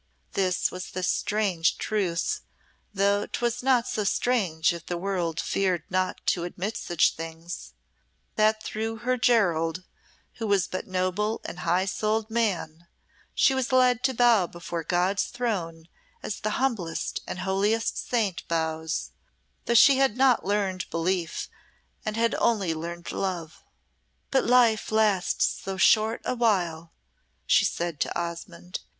This was the strange truth though 'twas not so strange if the world feared not to admit such things that through her Gerald, who was but noble and high souled man, she was led to bow before God's throne as the humblest and holiest saint bows, though she had not learned belief and only had learned love. "But life lasts so short a while," she said to Osmonde.